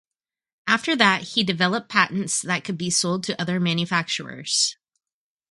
After that he developed patents that could be sold to other manufacturers.